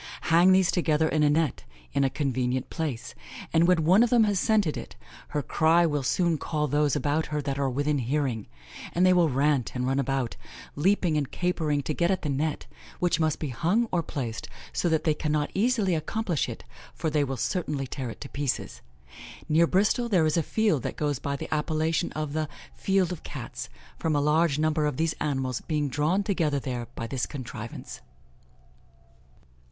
Hang these together in a net, in a convenient place, and when one of them has scented it, her cry will soon call those about her that are within hearing; and they will rant and run about, leaping and capering to get at the net, which must be hung or placed so that they cannot easily accomplish it, for they will certainly tear it to pieces. Near Bristol there is a field that goes by the appellation of the 'Field of Cats,' from a large number of these animals being drawn together there by this contrivance."